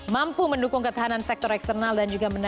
mampu mendukung ketahanan sektor eksternal dan juga